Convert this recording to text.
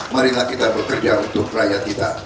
marilah kita bekerja untuk rakyat kita